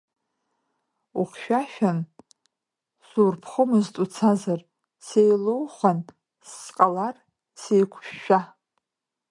Ухьшәашәан, сурԥхомызт уцазар, сеилоухәан, сҟалар сеиқәышәшәа.